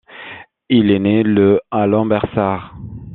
Il est né le à Lambersart.